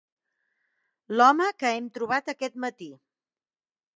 L'home que hem trobat aquest matí.